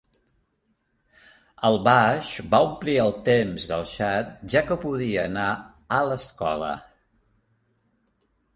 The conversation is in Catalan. El baix va omplir el temps del Chad ja que podia anar a l'escola.